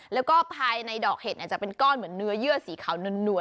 แล้วก็ภายในดอกเห็ดจะเป็นก้อนเหมือนเนื้อเยื่อสีขาวนวล